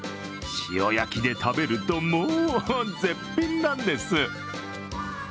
塩焼きで食べると、もう絶品なんです。